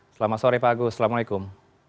selamat sore pak agus assalamualaikum